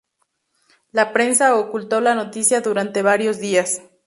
La prensa ocultó la noticia durante varios días.